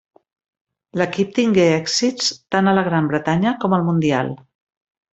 L'equip tingué èxits tant a la Gran Bretanya com al mundial.